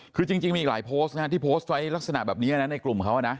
คือจริงมีอีกหลายโพสต์นะฮะที่โพสต์ไว้ลักษณะแบบนี้นะในกลุ่มเขานะ